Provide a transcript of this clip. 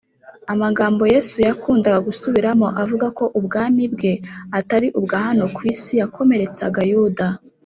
amagambo yesu yakundaga gusubiramo avuga ko ubwami bwe atari ubwa hano ku isi yakomeretsaga yuda